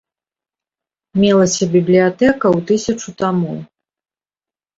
Мелася бібліятэка ў тысячу тамоў.